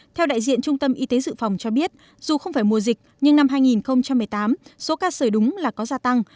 theo đại diện trung tâm y tế dự phòng cho biết dù không phải mùa dịch nhưng năm hai nghìn một mươi tám số ca sởi đúng là có gia tăng